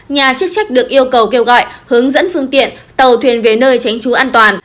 nhà chức trách được yêu cầu kêu gọi hướng dẫn phương tiện tàu thuyền về nơi tránh trú an toàn